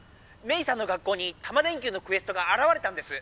メイさんの学校にタマ電Ｑのクエストがあらわれたんです！